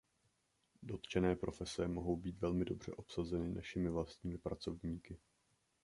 Dotčené profese mohou být velmi dobře obsazeny našimi vlastními pracovníky.